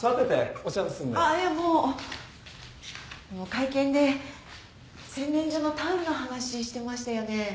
会見で洗面所のタオルの話してましたよね？